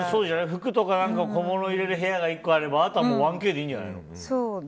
服とか小物を入れる部屋があればあとは１Ｋでいいんじゃないの？